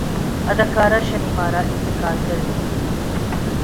اداکارہ شمیم ارا انتقال کرگئیں